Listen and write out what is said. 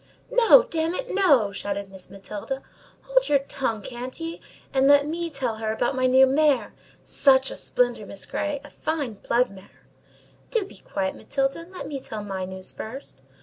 "No—damn it, no!" shouted Miss Matilda. "Hold your tongue, can't ye? and let me tell her about my new mare—such a splendour, Miss Grey! a fine blood mare—" "Do be quiet, Matilda; and let me tell my news first."